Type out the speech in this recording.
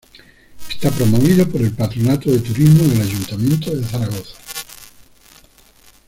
Está promovido por el Patronato de Turismo del Ayuntamiento de Zaragoza.